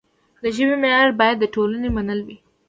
د ژبې معیار باید د ټولنې منل وي.